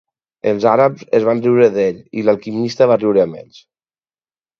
Els àrabs es van riure d'ell, i l'alquimista va riure amb ells.